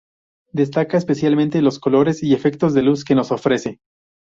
Destaca, especialmente, los colores y efectos de luz que nos ofrece.